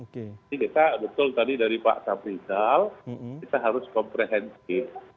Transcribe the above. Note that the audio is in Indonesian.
jadi kita betul tadi dari pak syahril kita harus komprehensif